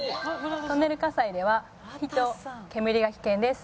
トンネル火災では火と煙が危険です。